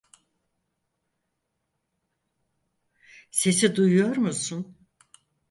Sesi duyuyor musun?